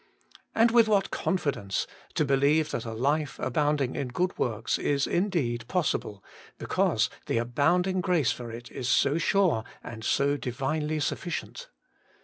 And with what confidence to believe that a life abounding in good works is indeed possible, because the abounding grace for it is so sure and so Divinely suffi Working for God 79 cient.